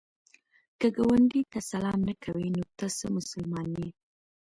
که ګاونډي ته سلام نه کوې، نو ته څه مسلمان یې؟